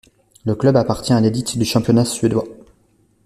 Le club appartient à l'élite du championnat suédois.